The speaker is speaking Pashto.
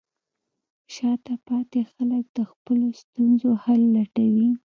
شاته پاتې خلک د خپلو ستونزو حل لټوي.